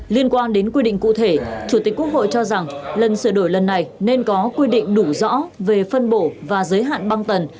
liên quan đến quy định cụ thể chủ tịch quốc hội cho rằng lần sửa đổi lần này nên có quy định đủ rõ về phân bổ và giới hạn băng tần